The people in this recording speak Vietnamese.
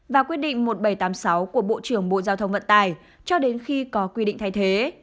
và quyết định một nghìn bảy trăm tám mươi sáu của bộ trưởng bộ giao thông vận tải cho đến khi có quy định thay thế